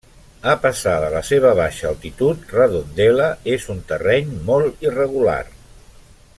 A pesar de la seva baixa altitud Redondela és un terreny molt irregular.